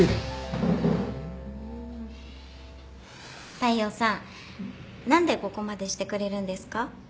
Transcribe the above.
大陽さん何でここまでしてくれるんですか？